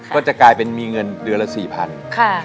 ก็จะกลายเป็นมีเงินเดือนละ๔๐๐บาท